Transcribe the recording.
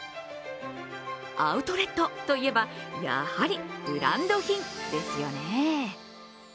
アウトレットといえば、やはりブランド品ですよね。